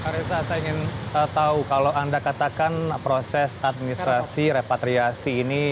pak reza saya ingin tahu kalau anda katakan proses administrasi repatriasi ini